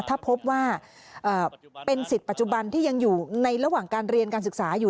ถ้าพบว่าเป็นสิทธิ์ปัจจุบันที่ยังอยู่ในระหว่างการเรียนการศึกษาอยู่